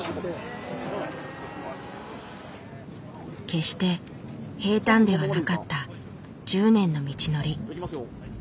決して平たんではなかった１０年の道のり。